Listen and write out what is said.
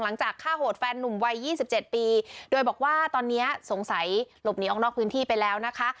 หลังจากฆ่าโหดแฟนนุ่มวัยยี่สิบเจ็ดปีโดยบอกว่าตอนนี้สงสัยหลบหนีออกนอกพื้นที่ไปแล้วนะคะ